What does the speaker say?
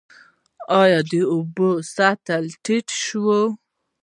آیا د اوبو سطحه ټیټه شوې؟